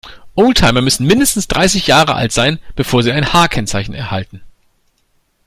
Oldtimer müssen mindestens dreißig Jahre alt sein, bevor sie ein H-Kennzeichen erhalten.